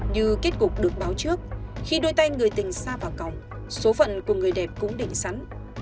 như kết cục được báo trước khi đôi tay người tình xa vào còng số phận của người đẹp cũng định sẵn